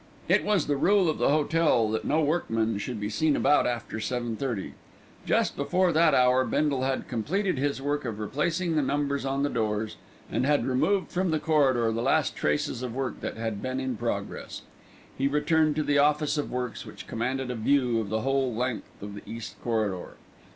It was the rule of the hotel that no workmen should be seen about after seven thirty. Just before that hour Bindle had completed his work of replacing the numbers on the doors, and had removed from the corridor the last traces of the work that had been in progress. He returned to the Office of Works which commanded a view of the whole length of the East Corridor.